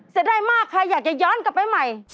เสียดายมากค่ะอยากจะย้อนกลับไปใหม่